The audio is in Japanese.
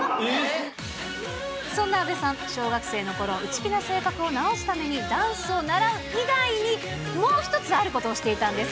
そんな阿部さん、小学生のころ、内気な性格を直すために、ダンスを習う以外に、もう一つ、あることをしていたんです。